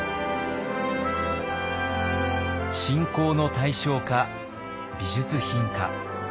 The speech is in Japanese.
信仰の対象か美術品か。